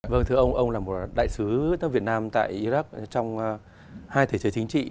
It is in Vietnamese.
vâng thưa ông ông là một đại sứ việt nam tại iraq trong hai thể chế chính trị